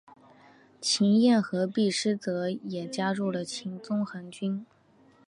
秦彦和毕师铎也加入了秦宗衡军。